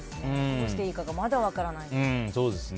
どうしていいかまだ分からないです。